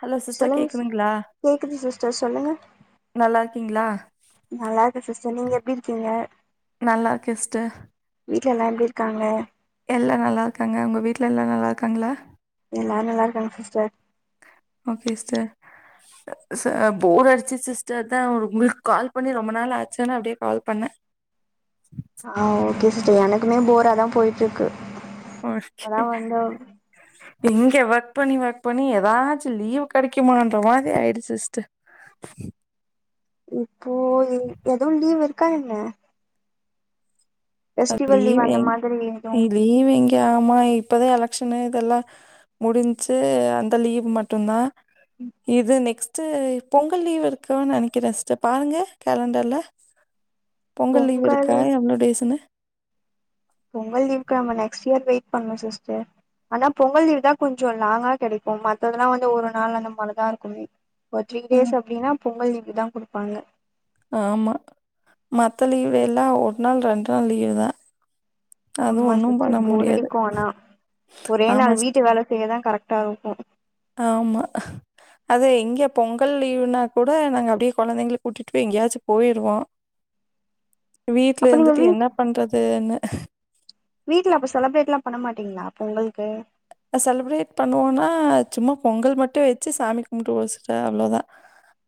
Hello sister சொல்லுங்க sis கேக்குதுங்ளா கேக்குது சிஸ்டர் சொல்லுங்க நல்லாருக்கீங்ளா நல்லாருக்கே சிஸ்டர் நீங்க எப்டி இருக்கீங்க நல்லாருக்கே சிஸ்டர் வீட்ல எல்லா எப்டி இருக்காங்க எல்லா நல்லாருக்காங்க ஒங்க வீட்ல எல்லா நல்லாருக்காங்களா எல்லாரு நல்லாருக்காங்க சிஸ்டர் ஓகே சிஸ்டர் ச போர் அடுச்சுசு சிஸ்டர் அதா ஒங்களுக் கால் பண்ணி ரொம்ப நாள் ஆச்சேன்னே அப்டியே கால் பண்ணே ஆ ஓகே சிஸ்டர் எனக்குமே போரா தா போய்ட்ருக்கு ஓர் சிட்டு இங்க வக் பண்ணி வக் பண்ணி எதாச்சு லீவு கெடைக்குமான்ற மாதி ஆயிடு சிஸ்ட. இப்போ இ எது லீவு இருக்கா என்ன? ஃபெஸ்டிவல் லீவு அந்த மாதிரி ஏது ஈவு இங்க ஆமா இப்பதா எலெக்ஷனு இதெல்லா முடிஞ்ச்சு அந்த லீவு மட்டுந்தா இது நெக்ஸ் ட்டு பொங்கல் லீவ் இருக்கு நெனைக்கிறே சிஸ்டர் பாருங்க கேலண்டர்ல. பொங்கல் லீவ் இருக்கா எவ்ளோ டேஸ்ன்னு. பொங்கல் லீவ்க்கு நம்ம நெக்ஸ்ட் இயர் வெயிட் பண்ணு சிஸ்டர். ஆனா பொங்கல் லீவுதா கொஞ்சோ லாங்கா கெடைக்கு மத்ததெல்லா வந்து ஒரு நாள் அந்த மாரிதா இருக்கும். ஒர் த்ரீ ஆ டேஸ் அப்டினா பொங்கல் லீவுக்குதா குடுப்பாங்க. ஆமா மத்த லீவ் எல்லா ஒரு நாள் ரெண்டு நாள் லீவுதா. ஆமா சிஸ்டர் போர் முடியாது அடிக்கு ஆனா ஒரே ஆமா நாள் வீட்டு சிஸ்டர் வேல செய்யதா கரெக்ட்டா இருக்கு. ஆமா. அது எங்க பொங்கல் லீவுன்னா கூட நாங்க அப்டியே கொழந்தைங்கள கூட்டிட்டு போய் எங்கியாச்சு போயிருவோ. வீட்ல அப்ப நீங்க இருந்துட்டு வீ என்ன பண்றதுன்னு. வீட்ல அப்ப செலப்ரேட்லா பண்ணமாட்டீங்ளா பொங்கல்க்கு. அ செலப்ரேட் பண்ணுவோன்னா சும்மா பொங்கல் மட்டு வெச்சு சாமி கும்ப்ட்டு முடிச்ட்டா அவ்ளோதா.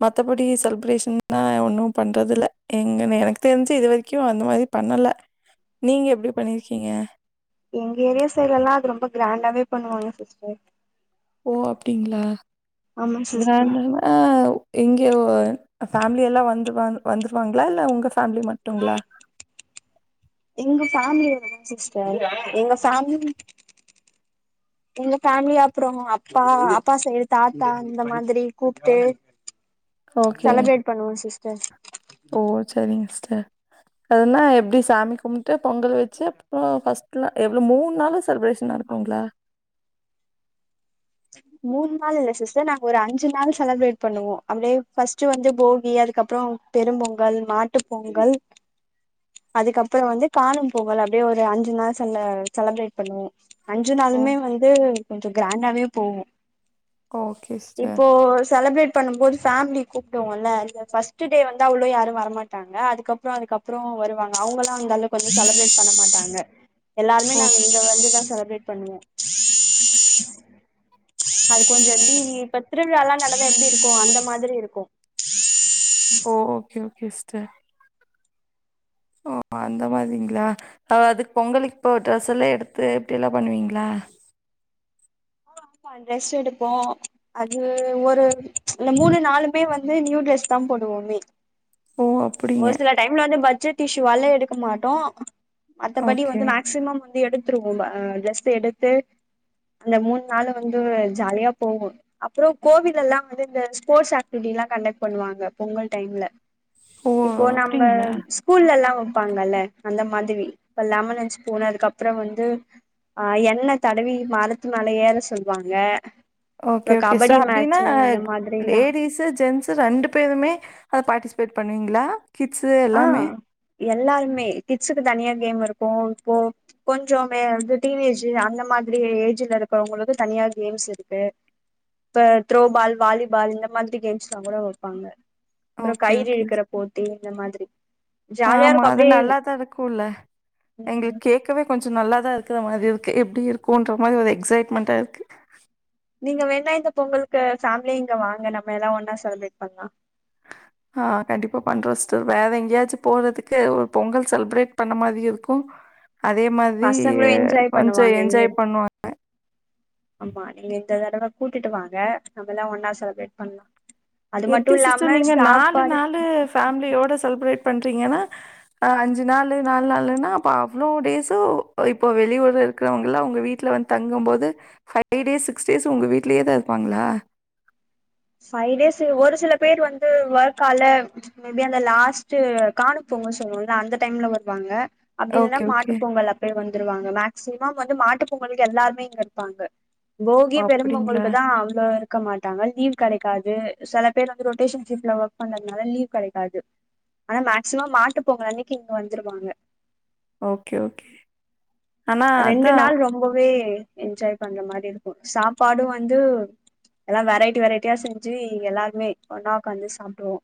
மத்தபடி செலிப்ரேஷன்னா ஒன்னு பண்றது இல்ல எங்கனு எனக்கு தெரிஞ்சு இது வரைக்கு அந்த மாதி பண்ணல. நீங்க எப்டி பண்ணிருக்கீங்க? எங்க ஏரியா சைட்ல எல்லா அது ரொம்ப கிராண்டாவே பண்ணுவாங்க சிஸ்டர். ஓ அப்டிங்ளா ஆமா சிஸ்டர் கிராண்டானா ஆவ் இங்கே ஒ அ ஃபேமிலி எல்லா வந்துவா வந்துருவாங்ளா இல்ல உங்க ஃபேமிலி மட் டுங்ளா? எங்க ஃபேமிலி [inaudible] சிஸ்டர் எங்க ஃபேமிலி [inaudible] உங்க ஃபேமிலி அப்புறோ அப்பா அப்பா சைடு தாத்தா இந்த மாதிரி கூப்ட்டு ஓகே. செலப்ரேட் பண்ணுவோ சிஸ்டர் ஓ செரிங்கஸ்டர் அதுனா எப்டி சாமி கும்ப்ட்டு பொங்கல வெச்சு அப்புறோ ஃபஸ் ட்ல எவ்ளோ மூண் நாளு செலிப்ரேஷன் நடக்குங்ளா? மூண் நாள் இல்ல சிஸ்டர் நாங்க ஒரு அஞ்சு நாள் செலப்ரேட் பண்ணுவோ அப்டியே ஃபஸ்ட்டு வந்து போகி அதுக்கப்புறோ பெரும்பொங்கல் மாட்டுப் பொங்கல் அதுக்கப்புறோ வந்து காணும் பொங்கல் அப்டியே ஒரு அஞ்சு நாள் செல்ல செலப்ரேட் பண்ணுவோ. அஞ்சு ஓ! நாளுமே வந்து கொஞ்சோ கிராண்டாவே போகு. Okay sister. இப்போ செலப்ரேட் பண்ணும் போது ஃபேமிலி கூப்டுவோல்ல இந்த ஃபஸ்ட்டு டே வந்து அவ்ளோ யாரு வரமாட்டாங்க அதுக்கப்புறோ அதுக்கப்புறோ வருவ் வாங்க அவுங்கள்லா அந்தளவுக் வந்து செலப்ரேட் பண்ண மாட்டாங்க எல்லாருமே நாங்க ஓகே. இங்க வந்துதா செலப்ரேட் பண்ணுவோ. அது கொஞ்சோ [inaudible] இப்ப திருவிழால்லா நடந்தா எப்டி இருக்கு அந்த மாதிரி இருக்கு. ஓ ஓகே ஓகே இஸ்டர். ஓ அந்த மாதிங்ளா அ அதுக் பொங்கலுக் இப்பொ ட்ரெஸ் எல்லா எடுத்து இப்டி எல்லா பண்ணுவிங்ளா? ஆ ஆமா ட்ரெஸ் எடுப்போ அது ஒரு இந்த மூணு நாளுமே வந் து நியூ டிரஸ் தா போடுவோமே. ஓ அ ஒரு சில டைம்ல வந்து பட்ஜெட் இஷ்ஷுவால எடுக்க மாட்டோ மத்தபடி ஓகே வந்து மேக் மேக்சிமம் வந்து எடுத்துருவோல்ல ட்ரெஸ் எடுத்து அந்த மூணு நாளும் வந்து ஜாலியா போகும் அப்றோ. கோவில் எல்லாம் வந்து இந்த ஸ்போர்ட்ஸ் ஆக்டிவிட்டி எல்லா கண்டக்ட் பண்ணுவாங்க பொங்கல் டைம்ல ஓ இப்போ நம்ம அப்படிங்களா ஸ்கூல்ல எல்லா வெப்பாங்கல்ல அந்த மாதிரி இப்ப லமன் அன்ட் ஸ்பூன் அதுக்குப்பறோ வந்து ஆ என்ண தடவி மரத்து மேல ஏற சொல்லுவாங்க ஓகே ஓகே சோ அப்படின்னா மாதிரிலா லேடிஸ் ஜென்ஸ்சு ரெண்டு பேருமே அதுல பார்ட்டிசிபேட் பண்ணுவீங்களா கிட்ஸ் ஆ எல்லாமே எல்லாருமே கிட்ஸ்க்கு தனியா கேம் இருக்கும் இப்போ கொஞ்சோ மே வந்து டீனேஜூ அந்த மாதிரி ஏஜ்ல இருக்கறவங்களுக்கு தனியா கேம்ஸ் இருக்கு இப்ப த்ரோ பால் வாலிபால் இந்த மாதிரி கேம்ஸ்லா கூட வப்பாங்க அப்றோ ஓகே கயிறு ஓகே சிஸ் இழுக்கற போட்டி இந்த மாதிரி ஜாலியா ஆமா இருக்கு அது அப்டியே நல்லாதா இருக்குல எங்ளுக்கு ம் கேட்கவே கொஞ்சோ நல்லா தா இருக்கற மாரி இருக்கு எப்டி இருக்குன்ற மாரி ஒரு எக்ஸ்சைட்மெண்ட்டா இருக்கு நீங்க வேணா இந்த பொங்ககுளுக்கு ஃபேமிலி இங்க வாங்க நம்ம எல்லா ஒன்னா செலிபிரேட் பண்லா ஆ கண்டிப்பா பண்றோ சிஸ்டர் வேற எங்கேயாச்சு போறதுக்கு ஒரு பொங்கல் செலிப்ரேட் பண்ண மாதியும் இருக்கும் அதே மாதி பசங்களு என்ஜாய் கொஞ்சோ பண்ணுவாங்க இங்க என்ஜாய் பண்ணுவாங்க ஆமா நீங்க இந்த தடவ கூட்டிட்டு வாங்க நம்மலா ஒன்ன செலிப்ரேட் பண்ணலா எப்டி சிஸ்டர் நீங்க நாலு நாலு ஃபேமிலியோட செலிப்ரேட் பண்றீங்கன்னா ஆ அஞ்சு நாளு நாலு நாள்னா அப்ப அவ்ளோ டேஸ்சு இப்ப வெளியூற இருக்கிறவங்க லா உங்க வீட்ல வந்து தங்கும் போது பைவ் டேஸ் சிக்ஸ் டேஸ் உங்க வீடலயே தா இருப்பாங்களா பய்வ் டேஸ் ஒரு சில பேர் வந்து ஒர்க் ஆல மேபி அந்த லாஸ்ட் காணுப்பொங்கல் சொல்லுவல அந்த டைம்ல வருவாங்க அப்டில்லனா ஓகே, ஓகே. மாட்டு பொங்கல் அப்டியே வந்துருவாங்க மேக்சிமம் வந்து மாட்டு பொங்கலுக்கு எல்லாருமே இங்க இருப்பாங்க போகி ஓ அப்படிங்களா? பெரும்பொங்களுக்கு தா அவ்ளோ இருக்க மாட்டாங்க லீவ் கடைகாது சில பேர் வந்து ரொட்டேஷன் ஷிப்ட்ல ஒர்க் பண்றதுனால லீவ் கடைக்காது ஆனா மேக்சிமம் மாட்டு பொங்கல் அன்னிக்கு இங்க வந்துருவாங்க ஓகே ஓகே ஆனா ரெண்டு அதான் நாள் ரொம்பவே என்ஜாய் பண்ற மாரி இருக்கு சாப்பாடும் வந்து எல்லா வெரைட்டி வெரைட்டியா செஞ்சி இங்க எல்லாருமே ஒன்னா உக்காந்து சாப்டுவோ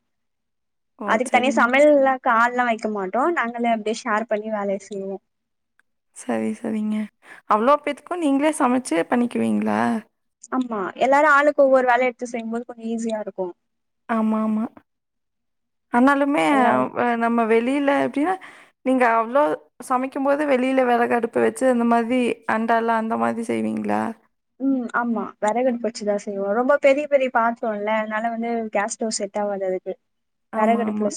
ஓ அதுக்கு தனியா சரிங்க. சமையல்லா ஆள்லா வைக்க மாட்டோ நாங்களா அப்டியே ஷேர் பண்ணி வேலைய செய்வோ சரி சரிங்க அவ்வளோ பேத்துக்கு நீங்களே சமச்சி பண்ணிக்கிவீங்களா ஆமா எல்லாரு ஆளுக்கு ஒவ்வொரு வேலயா எடுத்து செய்யுபோது கொஞ்சோ ஈஸியா இருக்கும் ஆமா ஆமா ஆனாலுமே எல்லாரு நம்ம வெளியில எப்டிய நீங்க அவ்ளோ சமைக்கும்போது வெளியில வெரகடுப்பு வச்சு அந்த மாதி அண்டாலா அந்த மாதி செய்வீங்களா ம் ஆமா வெறகடுப்ப வெச்சிதா செய்வோ ரொம்ப பெரிய பெரிய பாத்ரோல்ல அதனால வந்து கேஸ்டவுஸ் செட்டாகாது அது ஆமா ஆமா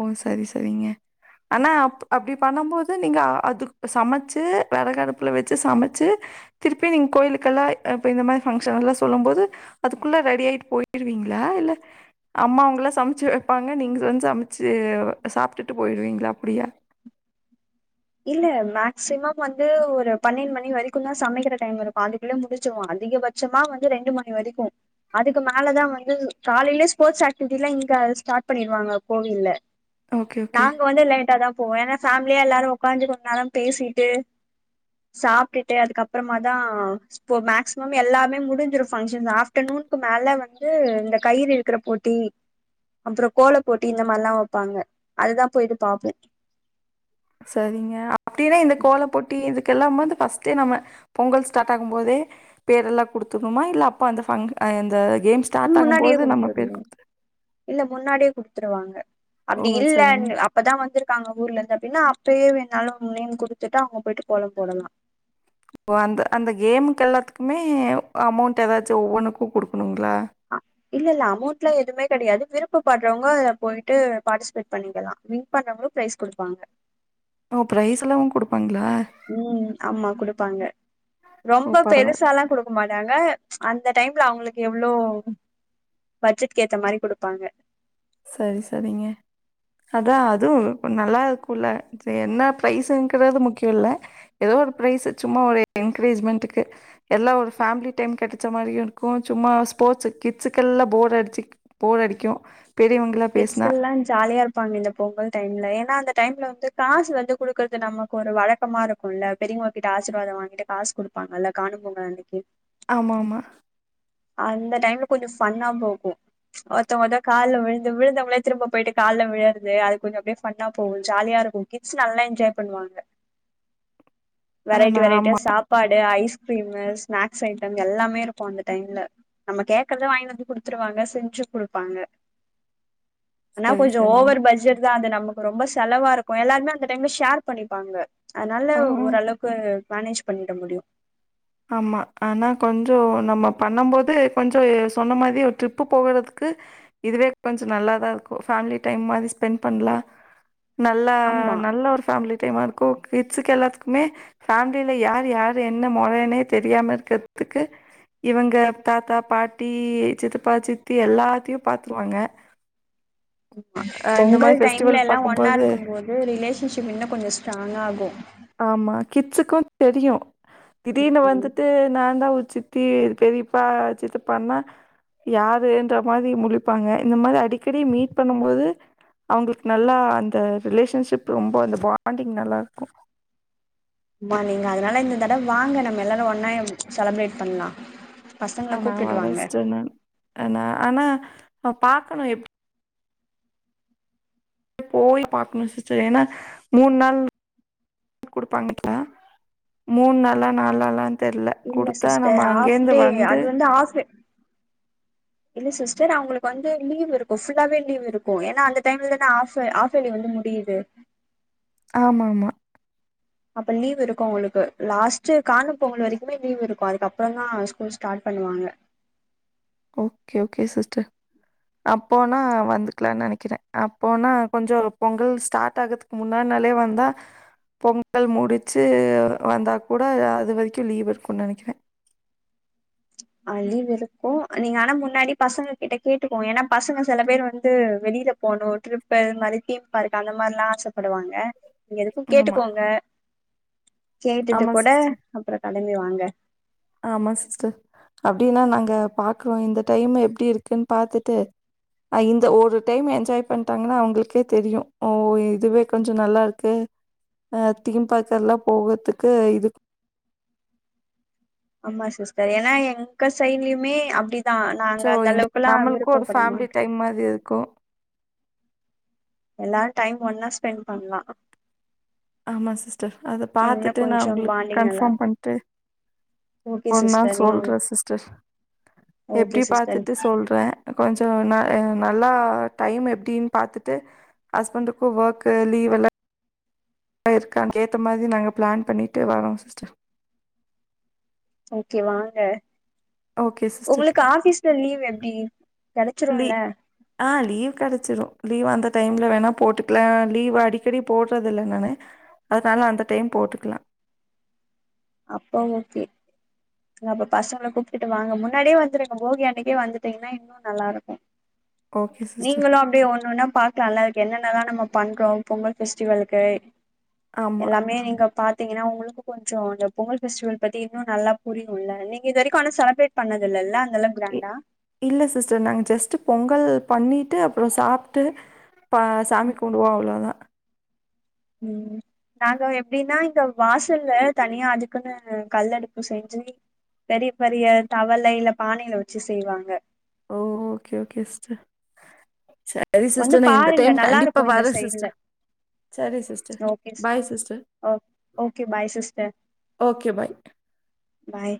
ஓ சரி சரிங்க ஆனா அப் அப்டி பண்ணம்போது நீங்க அது சமைச்சு வெறகு அடுப்பல வச்சு சமச்சு திருப்பி நீங்க கோயிலுக்கல்லா இப்போ இந்த மாரி ஃபங்க்ஷன் லா சொல்லம் போது அதுக்குள்ள ரெடியா யிட்டு போயிருவீங்களா இல்ல அம்மா அவங்கள சமச்சி வைப்பாங்க நீங்கள் வந்து சமச்சி சாப்பிட்டுட்டு போயிடுவீங்களா அப்டியா இல்ல மேஸ்சிமம் வந்து ஒரு பன்னெண்டு மணி வரைக்கு தா சமைக்கிற டைம் இருக்கோ அதுக் இல்ல முடிச்சிர்வோ அதிகபட்சமா வந்து ரெண்டு மணி வரிக்கு அதுக்கு மேலதா வந்து காலைலயே ஸ்போர்ட்ஸ் ஆக்டிவிட்டி லா இங்க ஸ்டார்ட் பண்ணிருவாங்க கோவில்ல ஓகே, ஓகே. நாங்க வந்து லேட்டா தா போவோ எனா ஃபேம்லியா எல்லாரு ஒக்காஞ்சி கொஞ் நேரோ பேசிட்டு சாப்டுட்டு அதுக்கப்பறமா தா இப்போ மேக்ஸ்சிமம் எல்லாமே முடிஞ்சிரோ ஃபங்ஷன் ஆஃப்டர்நூன்க்கு மேல வந்து இந்த கயிறு இழுக்குற போட் டி அப்றோ கோல போட்டி இந்த மார்லா வெப்பாங்க அதுதா போய்ட்டு பாப்பே சரிங்க அப்டின்னா இந்த கோல போட்டி இதுக்கெல்லாம் வந்து ஃபஸ் ட்டு நம்ம பொங்கல் ஸ்டாட் ஆகும் போதே பேரெல்லா குடுத்துர்னுமா இல்ல அப்ப அந்த ஃபங்கு அ இந்த கேம் ஸ்டாட் ஆகும் முன்னாடியே போது நம்ம பேரு குடுத்துருணு குட்த்துக் இல்ல முன்னாடியே குடுத்துருவாங்க ஓ! அப்டி இல்லன் சரிங்க. அ அப்பதா வந்துருக்காங்க ஊர்லந்து அப்டின்னா அப்டியே வேன்னாலு உங் நேம் குடுத்துட்டு அவுங்க போய்ட்டு கோலம் போடலா இப்போ அந்த அந்த கேமுக்கு எல்லாத்துக்குமே அமோண்ட் ஏதாச்சோ ஒவ்வொன்னுக்கு குடுக்குனுங்ளா இல்ல இல்ல அமோண்ட்லா எவுமே கெடயாது விருப்பட்றவங்க அத்ல போய்ட்டு பாட்டிஸ்பேட் பண்ணிக்கலா வின் பண்றவங்லு ப்ரைஸ் குடுப்பாங்க ஓ ப்ரைஸ்லாமு குடுப்பாங்ளா உம் ஆமா குடுப்பாங்க ஓ! ரொம்ப பரவால்ல. பெருசாலா குடுக் கு மாட்டாங்க அந்த டைம்ல அவுங்ளுக்கு எவ்ளோ பட்ஜெட்க் ஏத்த மாரி குடுப்பாங்க சரி சரிங்க அதா அதுவு நல்லாருக்குல்ல என்னா ப்ரைஸ்ஸுங்றது முக்கியோல்ல எதோ ஒரு ப்ரைஸு சும்மா ஒரு என்கரேஜ்மன்ட்டுக்கு எல்லா ஒரு ஃபேம்லி டைம் கெடச்ச மாரியு இருக்கு சும்மா ஸ்போர்ட்ஸு கிட்ஸுக்கெல்லா போர் அடிச்சி போர் அடிக்கும் பெரியவங்களா பேஸ்னா அ ஜாலியாருப் பாங்க இந்த பொங்கல் டைம்ல ஏனா அந்த டைம்ல வந்து காசு வந்து குடுக்கற்து நமக்கு ஒரு வழக்கமாருக் குல்ல பெரியவ்ங்க கிட்ட ஆசிர்வாதம் வாங்கிட்டு காஸ் குடுப்பாங்கல்ல காணும் பொங்கல் அன்னிக்கி ஆமா ஆமா அந்த டைம்ல கொஞ்சோ ஃபன்னா போகும் ஒருத்தவுங்க வந்து கால்ல விழுந்து விழுந்தவுங்களே திரும்ப போயிட்டு கால்ல விழறது அது கொஞ்சோ அப்டே ஃபன்னா போகு ஜாலியாருக்கும் கிட்ஸ் நல்லா என்ஜாய் பண்வாங்க ஆனா வெரைட்டி வெரைட்டியா ஆமா சாப்பாடு ஐஸ்கிரீமு ஸ்நாக்ஸ் ஐட்டம் எல்லாமேருக்கும் அந்த டைம்ல நம்ம கேக்றத வாய்ன்னு வந்து குடுத்துருவாங்க செஞ்சும் குடுப்பாங்க ஆனா சரி கொஞ்சோ சரிங்க. ஓவர் பட்ஜெட் தா அது நம ரொம்ப செலவாருக்கும் எல்லார்மே அந்த டைம்ல ஷார் பண்ணிப்பாங்க அத்னால ஆ ஓரளவு கு மேனேஜ் பண்ணிட முடியு ஆமா ஆனா கொஞ்சோ நம்ம பண்ணம் போது கொஞ்சோ சொன்ன மாரியே ஒரு ட்ரிப்பு போகறதுக்கு இதுவே கொஞ்ச நல்லாதாருக்கும் ஃபேம்லி டைம் மாரி ஸ்பெண்ட் பண்லா நல்லா ஆமா நல்ல ஒரு ஃபேமிலி டைமாருக்கு கிட்ஸ்க்கு எல்லாத்துக்குமே ஃபேம்லில யார் யாரு என்ன மொறனே தெரியாம இருக்கற்த்துக்கு இவங்க தாத்தா பாட்டி சித்தப்பா சித்தி எல்லாத்தியு பாத்ருவாங்க பொங்கல் மாதிரி டைம்ல ஃபெஸ்டிவல் எல்லா பார்க்கும்போது ஒன்னாருக்கும்போது ரிலேஷன்ஷிப் இன்னு கொஞ்சோ ஸ்ட்ராங்க ஆகு ஆமா கிட்ஸுக்கு தெரியு திடீர்னு ம் வந்துட்டு நா தா உ சித் தி பெரியப்பா சித்தப்பானா யாருன்ற மாரி முழிப்பாங்க இந்த மாரி அடிக்கடி மீட் பண்ணும் போது அவங்களுக்கு நல்லா அந்த ரிலேஷன்ஷிப் ரொம்ப அந்த பாண்டிங் நல்லாருக்கு ஆமா நீங்க அதனால இந்த தடவ வாங்க நம்ம எல்லாரு ஒன்னாவே செலிப்ரேட் பண்லா பசங்கள ஆ நா கூப்டுட்டு வரே வாங்க சிஸ்டர் நா ஆன ஆனா பாக்க நா எப் போய் பாக்கணு சிஸ்டர் ஏன்னா மூன் நாள் குடுப்பாங்கக்கா மூன் நாளா நால் நாளா தெர்ல குடுத்தா நம்ம அங்கேர்ந்து வந்து இல்ல ஹாஸ் இல்ல சிஸ்டர் அவங்களுக்கு வந்து லீவ் இருக்கும் புல்லாவே லீவ் இருக்கும் ஏன்னா அந்த டைம்ல தானே ஹாஃப் சொி வந்து முடியுது ஆமா ஆமா அப்ப லீவ் இருக்கும் உங்களுக்கு லாஸ்ட் காணும் பொங்கல் வரைக்குமே லீவ் இருக்கு அதுக்கப்புறந்தா ஸ்கூல் ஸ்டார்ட் பண்ணுவாங்க ஓகே ஓகே சிஸ்டர் அப்போனா வந்துக்கலாம்னு நெனைக்கிறே அப்போனா கொஞ்சொ பொங்கல் ஸ்டார்ட் ஆகுது முன்னா நாளே வந்தா பொங்கல் முடிச்சு வந்தா கூட அது வரைக்கும் லீவ் இருக்கு நினைக்கிறே அ லீவ் இருக்கும் நீங்க ஆனா முன்னாடி பசங்க கிட்ட கேட்டுக்குவோம் ஏன்னா பசங்க சில பேர் வந்து வெளியில போணு ட்ரிப்பு மாரி தீம் பார்க் அந்த மாரி எல்லா ஆசப்படுவாங்க நீங்க எதுக்கும் ஆமா. கேட்டுக்கோங்க கேட்டுட்டு ஆமா கூட சிஸ்டர். அப்பற கெளம்பி வாங்க ஆமா சிஸ்டர் அப்டின்னா நாங்க பாக்குறோ இந்த டைம் எப்டி இருக்குன் பாத்துட்டு ஆ இந்த ஒரு டைம் என்ஜாய் பண்ட்டாங்கன்னா அவங்களுக்கே தெரியு ஓ இதுவே கொஞ்ச நல்லாருக்கே அ தீம் பார்க்கு எல்லா போகற்துக்கு இது ஆமா சிஸ்டர் ஏன்னா எங்க சைட்லயுமே அப்டி சோ நம்ளுக்கு ஒரு ஃபேமிலி மாட்டோ டைம் மாதிரி இருக்கு எல்லாரும் டைம் ஒன்னா ஸ்பெண்ட் பண்லா ஆமா சிஸ்டர் அத இன்னு பாத்துட்டு நா கொஞ்சோ உங்களுக்கு பாண்டிங் நல்லா கன்ஃபார்ம் இருக்கு பண்ட்டு ஓகே ஒரு நாள் சிஸ்டர் நீங்க சொல்றே சிஸ்டர் ஓகே எப்டி சிஸ்டர் பாத்துட்டு சொல்றே கொஞ்சொ ந நல்லா டைம் எப்டின் பாத்துட்டு ஹஸ்பண்ட்க்கு ஒர்க் லீவ் எல்லா இருக்கா ஏத்த மாரி நாங்க பிளான் பண்ணிட்டு வரோ சிஸ்டர் ஓகே வாங்க ஓகே சிஸ்டர். உங்களுக்கு ஆபீஸ்ல லீவ் எப்டி லீ கெடச்சிரூம்ல ஆ லீவ் கெடைச்சிடு லீவ் அந்த டைம்ல வேணா போட்டுக்கலா லீவ் அடிக்கடி போட்றது இல்ல நானு அதுனால அந்த டைம் போட்டுக்கலா அப்ப ஓகே அப்ப பசங்கள கூப்டுட்டு வாங்க முன்னாடியே வந்துருக்க போகி அன்னைக்கே வந்துட்டீங்கனா இன்னு நல்லாருக்கு ஓகே சிஸ்டர். நீங்களு அப்டி ஒன்னுன்னா பாத் ட் நல்லா இருக்கு என்னென்னல நம்ம பண்றோ பொங்கல் பெஸ்டிவலுக்கு ஆமா. எல்லாமே நீங்க பா பாத்தீங்கன்னா உங்களுக்கு கொஞ்சோ பொங்கல் பெஸ்டிவல் பத்தி இன்னு நல்லா புரியுல்ல நீங்க இது வரைக்கு ஆன செலிப்ரேட் பண்ணதுல்லல்ல அங்கலா இ கிராண்டா இல்ல சிஸ்டர் நாங்க ஜஸ்ட்டு பொங்கல் பண்ணீட்டு அப்புற சாப்ட்டு ப சாமிக் கும்புடுவோ அவ்வளோதா ம் நாங்க எப்டின்னா இங்க வாசல்ல தனியா அதுக்குன்னு கல்லடுப்பு செஞ்சு பெரிய பெரிய தவலேல்ல பானையில வச்சு செய்வாங்க ஓ ஓகே ஓகே சிஸ்டர் ச சரி வந்து சிஸ்டர் நான் இந்த பாருங்க டைம் நல்லா கண்டிப்பா இருக்கு இந்த வறே சைடுல சிஸ்டர் சரி சிஸ்டர் ஓகே பாய் சிஸ்டர் ஓ okay bye sister okay bye பாய்